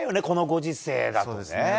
このご時世だとね。